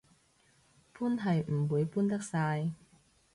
搬係唔會搬得晒